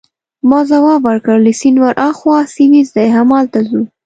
ما ځواب ورکړ: له سیند ورهاخوا سویس دی، همالته ځو.